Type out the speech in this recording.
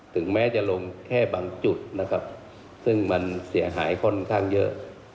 ถึงแม้จะลงแค่บางจุดนะครับซึ่งมันเสียหายค่อนข้างเยอะ